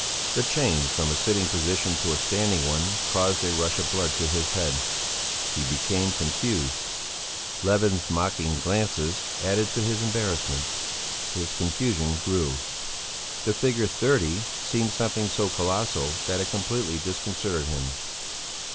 The change from a sitting position to a standing one caused a rush of blood to his head; he became confused; Levin's mocking glances added to his embarrassment. His confusion grew; the figure thirty seemed something so colossal that it completely disconcerted him.